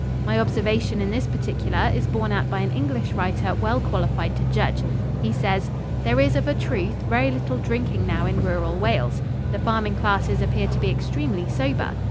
My observation in this particular is borne out by an English writer well qualified to judge. He says: "There is, of a truth, very little drinking now in rural Wales. The farming classes appear to be extremely sober.